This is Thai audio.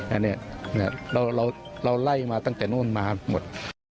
อันนี้เราไล่มาตั้งแต่นู่นมาหมด